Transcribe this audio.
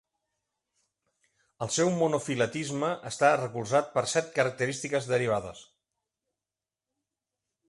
El seu monofiletisme està recolzat per set característiques derivades.